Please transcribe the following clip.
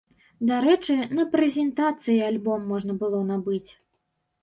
Дарэчы, на прэзентацыі альбом можна было набыць.